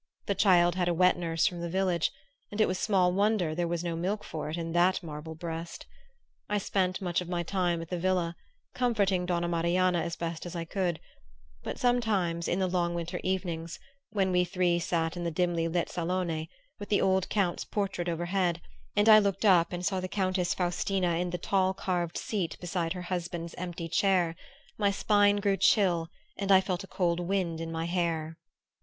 The child had a wet nurse from the village, and it was small wonder there was no milk for it in that marble breast. I spent much of my time at the villa, comforting Donna Marianna as best I could; but sometimes, in the long winter evenings, when we three sat in the dimly lit salone, with the old Count's portrait overhead, and I looked up and saw the Countess Faustina in the tall carved seat beside her husband's empty chair, my spine grew chill and I felt a cold wind in my hair.